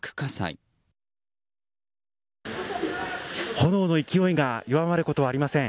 炎の勢いが弱まることはありません。